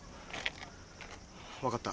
分かった。